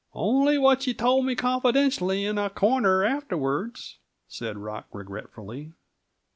"Only what you told me, confidentially, in a corner afterwards," said Rock regretfully.